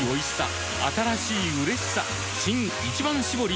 新「一番搾り」